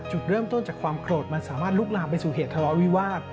จุดเริ่มต้นจากความโกรธมันสามารถลุกลามไปสู่เหตุทะเลาะวิวาส